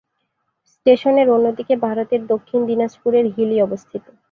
স্টেশনের অন্যদিকে ভারতের দক্ষিণ দিনাজপুরের হিলি অবস্থিত।